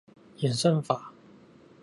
演算法